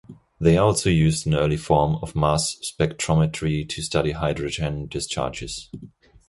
They also used an early form of mass spectrometry to study hydrogen discharges.